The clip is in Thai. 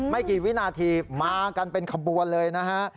ไม่กี่วินาทีมากันเป็นขบวนเลยนะฮะ